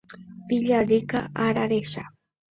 Villarrica ararecha.